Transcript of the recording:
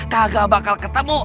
kagak bakal ketemu